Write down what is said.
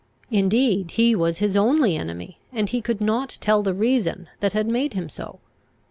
Indeed he was his only enemy, and he could not tell the reason that had made him so.